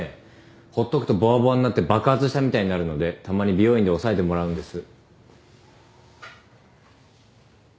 ほっとくとぼわぼわになって爆発したみたいになるのでたまに美容院で抑えてもらうんです。